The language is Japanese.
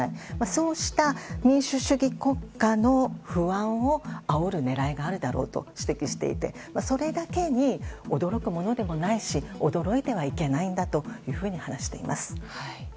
そうした民主主義国家の不安をあおる狙いがあるだろうと指摘していてそれだけに、驚くものでもないし驚いてはいけないんだと話しています。